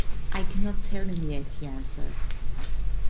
“I cannot tell them yet,” he answered.